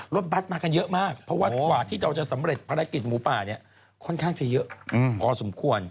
บัสมากันเยอะมากเพราะว่ากว่าที่เราจะสำเร็จภารกิจหมูป่าเนี่ยค่อนข้างจะเยอะพอสมควร